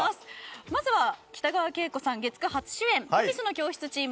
まずは北川景子さん月９初主演「女神の教室」チーム。